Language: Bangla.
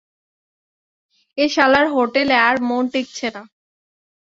এ শালার হোটেলে আর মন টিকছে না।